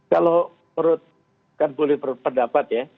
kalau menurut bukan boleh menurut pendapat ya